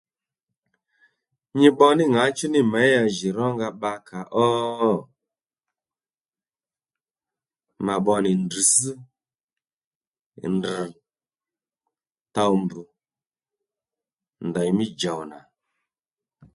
Nyi pbo ní ŋǎchú nì měyá jì rónga bbakà ó? Ma pbo nì ndrr̀tsś, ndrr̀, towmbù ndèymí djòw nà